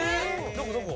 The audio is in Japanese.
どこどこ？